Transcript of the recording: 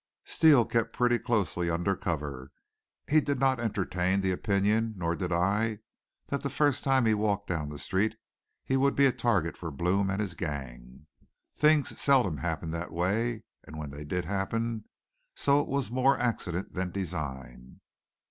Steele kept pretty closely under cover. He did not entertain the opinion, nor did I, that the first time he walked down the street he would be a target for Blome and his gang. Things seldom happened that way, and when they did happen so it was more accident than design.